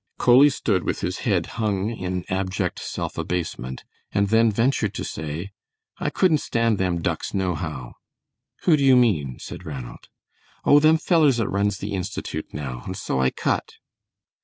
Coley stood with his head hung in abject self abasement, and then ventured to say, "I couldn't stand them ducks nohow!" "Who do you mean?" said Ranald. "Oh, them fellers that runs the Institute now, and so I cut."